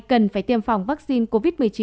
cần phải tiêm phòng vaccine covid một mươi chín